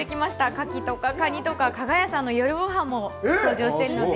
カキとか、カニとか、加賀屋さんの夜ごはんも登場してるので。